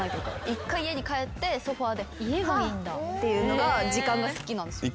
１回家に帰ってソファでハァっていうのが時間が好きなんです。